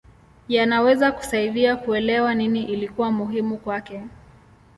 Yanaweza kusaidia kuelewa nini ilikuwa muhimu kwake.